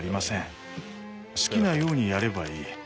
好きなようにやればいい。